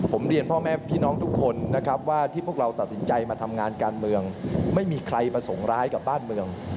ผมเรียนพ่อแม่พี่น้องทุกคนนะครับว่าที่พวกเราตัดสินใจมาทำงานการเมืองไม่มีใครประสงค์ร้ายกับบ้านเมือง